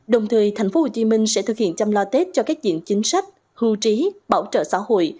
đồng thời tp hcm sẽ thực hiện chăm lo tết cho các diện chính sách hưu trí bảo trợ xã hội